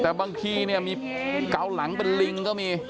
แต่บางทีเนี่ยมีเกาหลังเป็นลิงก็มี